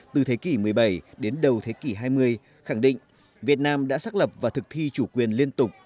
từ thế kỷ một mươi bảy đến đầu thế kỷ hai mươi khẳng định việt nam đã xác lập và thực thi chủ quyền liên tục